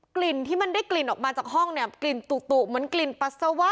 กลิ่นที่มันได้กลิ่นออกมาจากห้องเนี่ยกลิ่นตุเหมือนกลิ่นปัสสาวะ